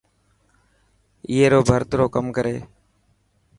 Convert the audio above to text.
اي رو ڀرت رو ڪم ڪري.